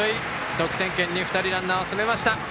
得点圏に２人、ランナーを進めました。